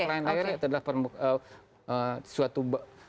thermocline layer itu adalah suatu